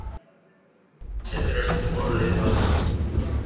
ভেতরে ঢুকে পড়লেই ভালো হয়।